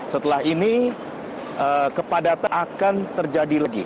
setelah ini kepadatan akan terjadi lagi